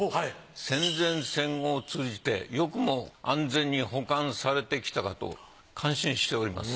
戦前戦後を通じてよくも安全に保管されてきたかと感心しております。